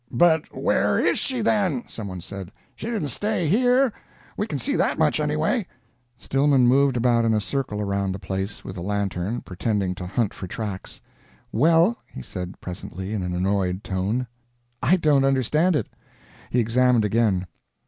"But where is she, then?" some one said. "She didn't stay here. We can see that much, anyway." Stillman moved about in a circle around the place, with the lantern, pretending to hunt for tracks. "Well!" he said presently, in an annoyed tone, "I don't understand it." He examined again.